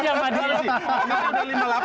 dia ambil aja